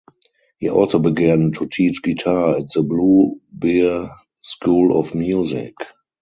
He also began to teach guitar at the Blue Bear School of Music.